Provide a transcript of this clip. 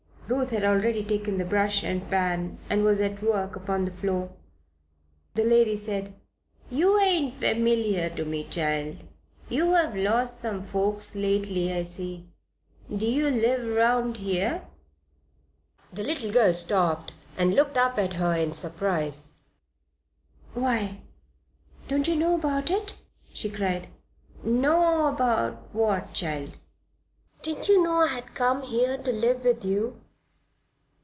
Ruth had already taken the brush and pan and was at work upon the floor. The lady said: "You ain't familiar to me, child. You've lost some folks lately, I see. Do you live 'round here?" The little girl stopped and looked up at her in surprise. "Why, don't you know about it?" she cried. "Know about what, child?" "Didn't you know I had come here to live with you?"